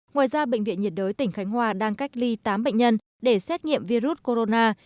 ngoài ra bệnh viện nhiệt đới tỉnh khánh hòa đang cách ly tám bệnh nhân để xét nghiệm virus corona